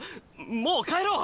もう帰ろう。